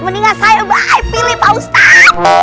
mendingan saya pilih pak ustaz